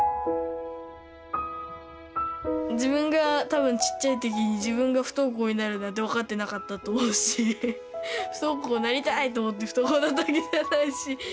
自分が多分ちっちゃい時に自分が不登校になるなんて分かってなかったと思うし不登校なりたいと思って不登校なったわけじゃないし。